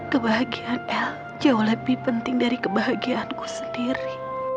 kebahagiaan el jauh lebih penting dari kebahagiaanku sendiri